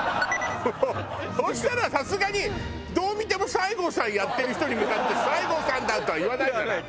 そしたらさすがにどう見ても西郷さんやってる人に向かって「西郷さんだ」とは言わないじゃない？